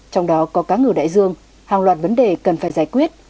trong đó có cá ngừ đại dương hàng loạt vấn đề cần phải giải quyết